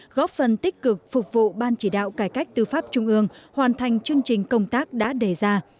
góp phần tích cực phục vụ ban chỉ đạo cải cách tư pháp trung ương hoàn thành chương trình công tác đã đề ra